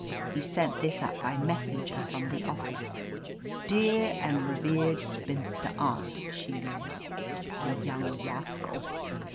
He sent this up by messenger from the office :" *Dear and revered spinster aunt,' " she read — "the young rascal